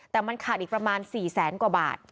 แต่มันขาดอีกประมาณ๔แสนกว่าบาท